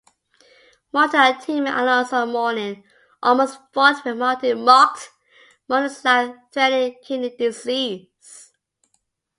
Martin and teammate Alonzo Mourning almost fought when Martin mocked Mourning's life-threatening kidney disease.